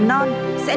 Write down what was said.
sẽ được trở lại trường